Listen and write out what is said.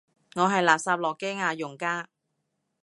我係垃圾諾基亞用家